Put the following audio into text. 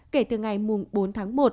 kể từ ngày bốn tháng một